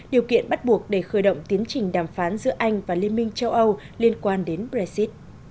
điều kiện bắt buộc để khởi động tiến trình đàm phán giữa anh và liên minh châu âu liên quan đến brexit